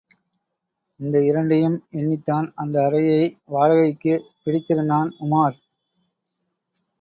இந்த இரண்டையும் எண்ணித்தான் அந்த அறையை வாடகைக்குப் பிடித்திருந்தான் உமார்.